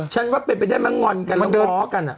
ฉันว่าเป็นไปได้ไหมงอนกันแล้วง้อกัน